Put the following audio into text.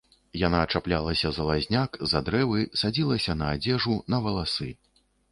Яна чаплялася за лазняк, за дрэвы, садзілася на адзежу, на валасы.